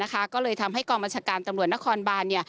ก็เลยทำให้กองบัญชาการตำรวจนครบาน